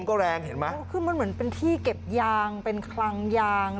คือมันเหมือนเป็นที่เก็บยางเป็นคลังยาง